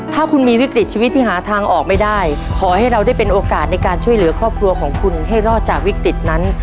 ถ้าคุณมีวิกฤตชีวิตที่หาทางออกไม่ได้ขอให้เราได้เป็นโอกาสในการช่วยเหลือครอบครัวของคุณให้รอดจากวิกฤตนั้น